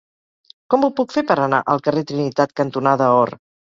Com ho puc fer per anar al carrer Trinitat cantonada Or?